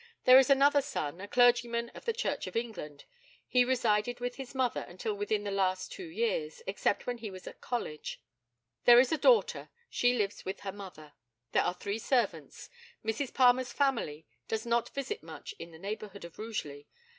There is another son, a clergyman of the Church of England. He resided with his mother until within the last two years, except when he was at college. There is a daughter. She lives with her mother. There are three servants. Mrs. Palmer's family does not visit much in the neighbourhood of Rugeley.